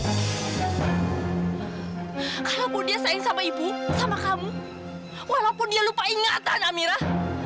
kalau mau dia sayang sama ibu sama kamu walaupun dia lupa ingatan amirah